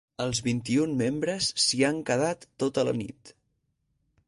Els vint-i-un membres s’hi han quedat tota la nit.